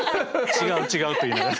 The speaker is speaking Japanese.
違う違うと言いながら。